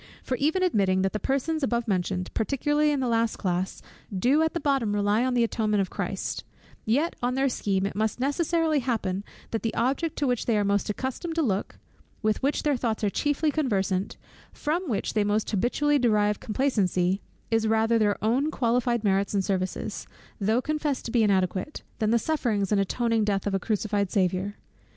For even admitting that the persons above mentioned, particularly the last class, do at the bottom rely on the atonement of Christ; yet on their scheme, it must necessarily happen, that the object to which they are most accustomed to look, with which their thoughts are chiefly conversant, from which they most habitually derive complacency, is rather their own qualified merit and services, though confessed to be inadequate, than the sufferings and atoning death of a crucified Saviour.